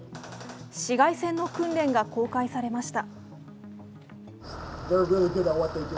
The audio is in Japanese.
市街戦の訓練が公開されました。